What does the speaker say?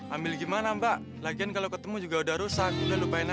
ambil gimana pak lagian kalau ketemu juga udah rusak udah lupain aja